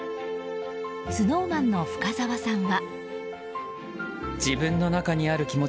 ＳｎｏｗＭａｎの深澤さんは。